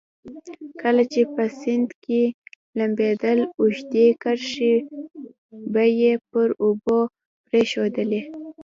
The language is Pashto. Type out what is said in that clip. کله چې په سیند کې لمبېدل اوږدې کرښې به یې پر اوبو پرېښوولې.